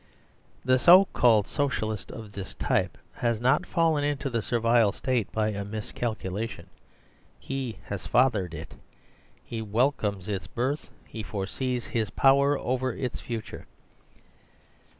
The so called " Socialist " of this type has not fall 129 9 THE SERVILE STATE en into the Servile State by a miscalculation. He has fathered it; he welcomes its birth, he foresees his pow er over its future.